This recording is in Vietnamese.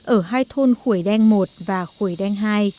ở hai thôn khuổi đen một và khuổi đen hai